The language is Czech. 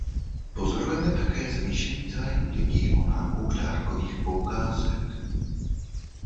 Pozorujeme také zvýšený zájem lidí o nákup dárkových poukázek.